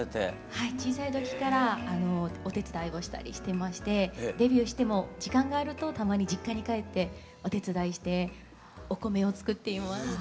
はい小さい時からお手伝いをしたりしてましてデビューしても時間があるとたまに実家に帰ってお手伝いしてお米を作っています。